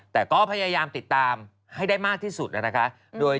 แต่ก็พยายามติดตามให้ได้มากที่สุดนะคะ